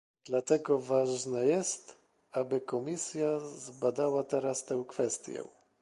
Dlatego ważne jest, aby Komisja zbadała teraz tę kwestię